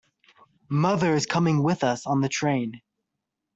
Mother is coming with us on the train.